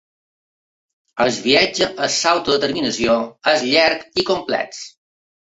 El viatge a l’autodeterminació és llarg i complex.